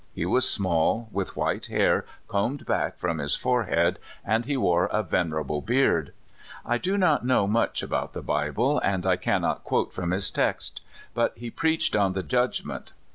He was small, with white hair combed back from his fore head, and he wore a venerable beard. I do not know much about the Bible, and I cannot quote FATHER FISIIEK. 143 from his text, but he preached on the Judgment.